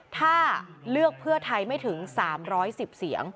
ถ้าเลือกเพื่อไทยไม่ถึง๓๑๐เสียง